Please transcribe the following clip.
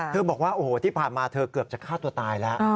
บอกว่าโอ้โหที่ผ่านมาเธอเกือบจะฆ่าตัวตายแล้ว